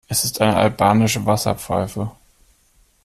Es ist eine albanische Wasserpfeife.